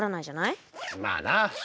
まあな。